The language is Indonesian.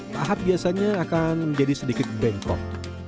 pahat biasanya akan menjadi sedikit bentrok